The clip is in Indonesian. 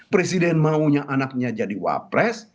presiden maunya anaknya jadi wapres